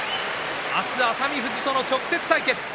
明日、熱海富士との直接対決。